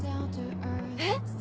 えっ？